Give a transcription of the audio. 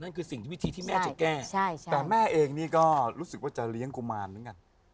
คือสิ่งที่วิธีที่แม่จะแก้แต่แม่เองนี่ก็รู้สึกว่าจะเลี้ยงกุมารเหมือนกัน